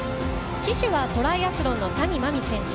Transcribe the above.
旗手はトライアスロンの谷真海選手。